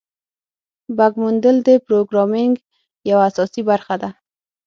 بګ موندل د پروګرامینګ یوه اساسي برخه ده.